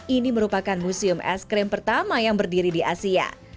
ini merupakan museum es krim pertama yang berdiri di asia